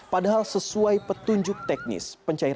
padahal sesuai petunjuk teknis